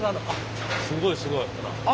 すごいすごいほら。